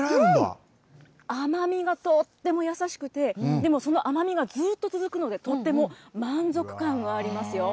うん、甘みがとっても優しくて、でもその甘みがずっと続くので、とっても満足感がありますよ。